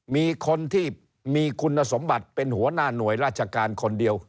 มีคนที่มีคุณสมบัติเป็นหัวหน้าหน่วยราชการคนเดียว